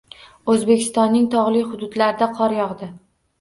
Oʻzbekistonning togʻli hududlarida qor yogʻdi.